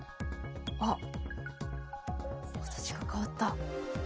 あっ形が変わった。